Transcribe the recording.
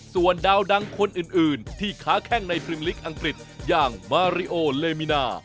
ส่วนดาวดังคนอื่นที่ค้าแข้งในพรีมลิกอังกฤษอย่างมาริโอเลมินา